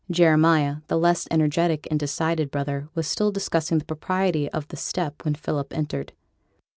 Jeremiah, the less energetic and decided brother, was still discussing the propriety of the step when Philip entered.